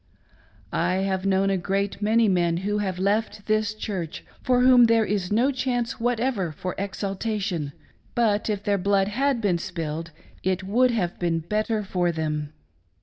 "I have known a great many men who have left this Church, for whom there is no chance whatever for exaltation, but if their blood had been spilled it would have been better for them.